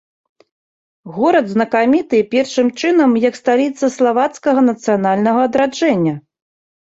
Горад знакаміты першым чынам як сталіца славацкага нацыянальнага адраджэння.